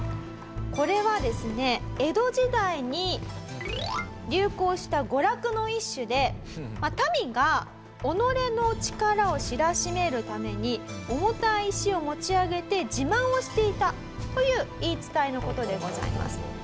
これはですね江戸時代に流行した娯楽の一種で民が己の力を知らしめるために重たい石を持ち上げて自慢をしていたという言い伝えの事でございます。